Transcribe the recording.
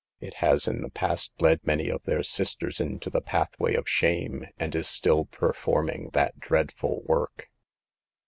It has in the past led many of their sisters into 196 SAVE THE GIKLS. the pathway of shame, and is still performing that dreadful work.